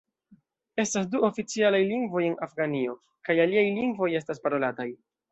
Estas du oficialaj lingvoj de Afganio, kaj aliaj lingvoj estas parolataj.